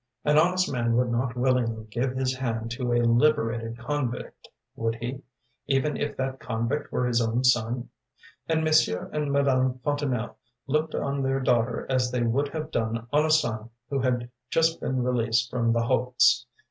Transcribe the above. “An honest man would not willingly give his hand to a liberated convict, would he, even if that convict were his own son? And Monsieur and Madame Fontanelle looked on their daughter as they would have done on a son who had just been released from the hulks.